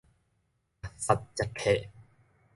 木蝨食客